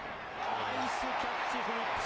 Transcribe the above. ナイスキャッチ、フィリップス。